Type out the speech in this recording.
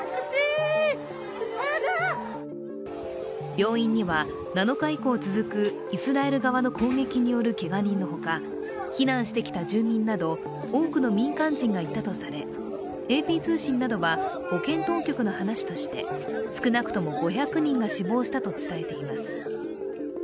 病院には７日以降続くイスラエル側の攻撃によるけが人のほか避難してきた住民など多くの民間人がいたとされ、ＡＰ通信などは保健当局の話として少なくとも５００人が死亡したと伝えています。